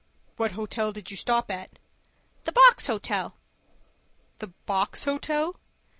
"What hotel did you stop at?" "The Box Hotel." "The Box Hotel?"